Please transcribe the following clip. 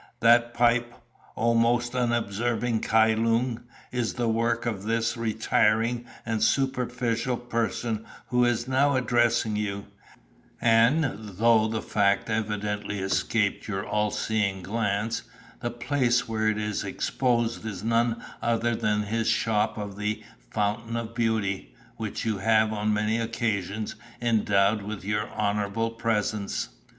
That pipe, O most unobserving Kai Lung, is the work of this retiring and superficial person who is now addressing you, and, though the fact evidently escaped your all seeing glance, the place where it is exposed is none other than his shop of 'The Fountain of Beauty,' which you have on many occasions endowed with your honourable presence."